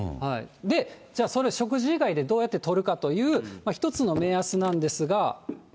じゃあ、食事以外でどうやってとるかという一つの目安なんですが。